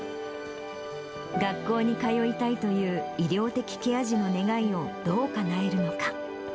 学校に通いたいという医療的ケア児の願いをどうかなえるのか。